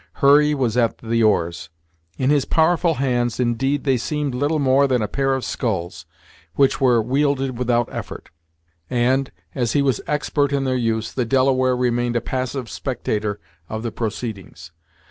Hurry was at the oars. In his powerful hands, indeed, they seemed little more than a pair of sculls, which were wielded without effort, and, as he was expert in their use, the Delaware remained a passive spectator of the proceedings.